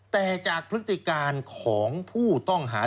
แต่จากพฤติการของผู้ต้องหา